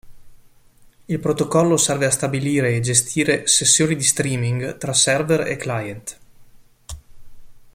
Il protocollo serve a stabilire e gestire sessioni di streaming tra server e client.